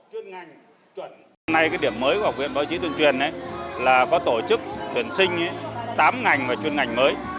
hôm nay cái điểm mới của học viện báo chí tuyển truyền là có tổ chức tuyển sinh tám ngành và chuyên ngành mới